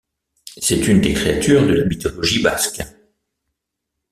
C'est une des créatures de la mythologie basque.